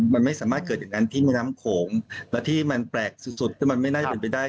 มันไม่สามารถเกิดอย่างงั้นที่มีน้ำขมและที่มันแปลกสุดมันมีไม่น่าเป็นไปได้